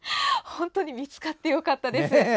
本当に見つかってよかったです。